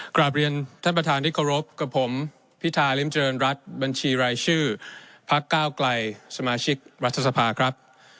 กราบเรียนท่านประธานที่เคารพกับผมพิธาริมเจริญรัฐบัญชีรายชื่อพักก้าวไกลสมาชิกรัฐสภาครับ